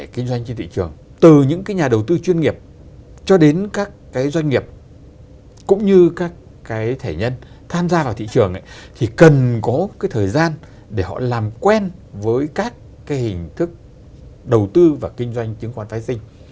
kinh doanh trên thị trường từ những cái nhà đầu tư chuyên nghiệp cho đến các cái doanh nghiệp cũng như các cái thể nhân tham gia vào thị trường thì cần có cái thời gian để họ làm quen với các cái hình thức đầu tư và kinh doanh chứng khoán phái sinh